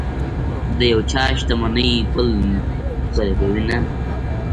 د یو چا شتمني بل غریبوي نه.